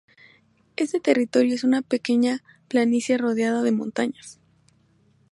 Este territorio es una pequeña planicie rodeada de montañas.